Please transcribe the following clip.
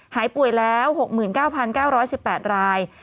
หายป่วยแล้ว๖๙๙๑๘ราย